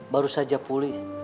baru saja pulih